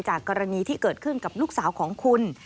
กรณีที่เกิดขึ้นกับลูกสาวของคุณ